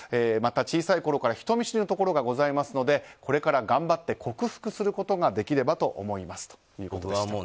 また小さいころから人見知りのところがございますのでこれから頑張って克服することができればということでした。